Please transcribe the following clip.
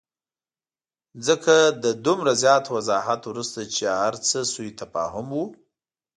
ځکه له دومره زیات وضاحت وروسته چې هرڅه سوءتفاهم وو.